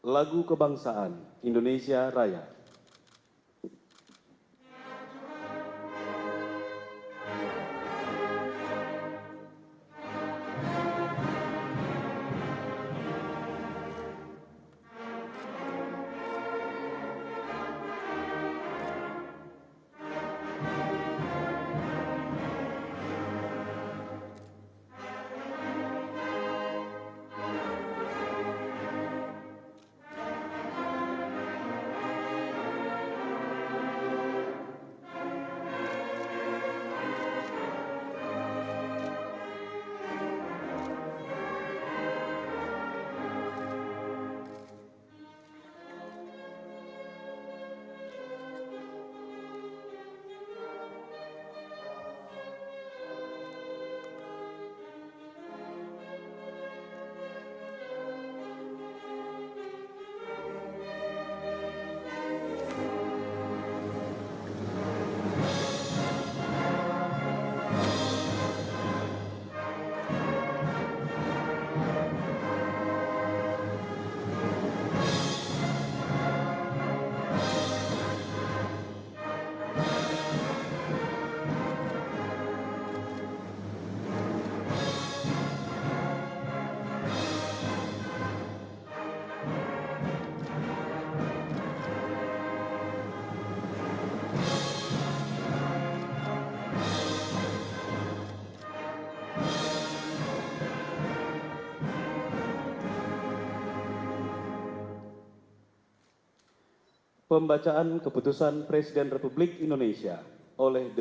lagu kebangsaan indonesia raya